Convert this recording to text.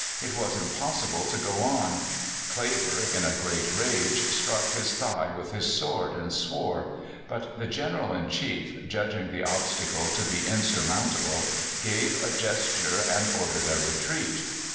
It was impossible to go on. Kleber, in a great rage, struck his thigh with his sword and swore. But the General in Chief, judging the obstacle to be insurmountable, gave a gesture and ordered a retreat.